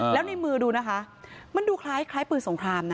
แล้วในมือดูนะคะมันดูคล้ายปืนสงครามนะ